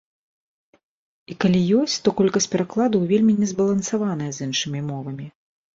І калі ёсць, то колькасць перакладаў вельмі незбалансаваная з іншымі мовамі.